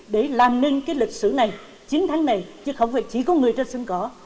để làm nên cái lịch sử này chiến thắng này chứ không phải chỉ có người trên sân cỏ